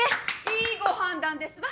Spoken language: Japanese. いいご判断ですわ！